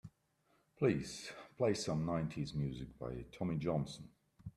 Please play some nineties music by Tommy Johnson.